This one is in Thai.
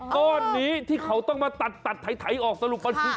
ตอนนี้ที่เขาต้องมาตัดออกสรุปเนี่ย